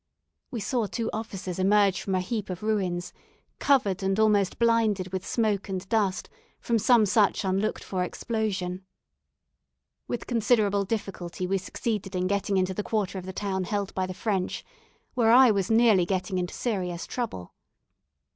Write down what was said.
We saw two officers emerge from a heap of ruins, covered and almost blinded with smoke and dust, from some such unlooked for explosion. With considerable difficulty we succeeded in getting into the quarter of the town held by the French, where I was nearly getting into serious trouble.